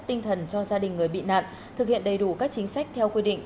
tinh thần cho gia đình người bị nạn thực hiện đầy đủ các chính sách theo quy định